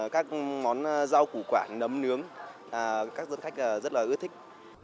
các món rau củ quản nấm nướng các dân khách rất là ước thích